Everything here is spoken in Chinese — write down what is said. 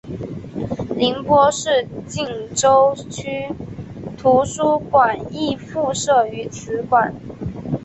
宁波市鄞州区图书馆亦附设于此馆。